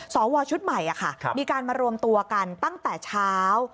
สวชุดใหม่มีการมารวมตัวกันตั้งแต่เช้า